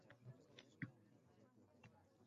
Qoraqalpog‘istonda stansiyada turgan vagon yonib ketdi